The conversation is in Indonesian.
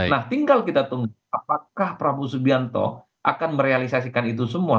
nah tinggal kita tunggu apakah prabowo subianto akan merealisasikan itu semua